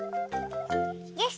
よし！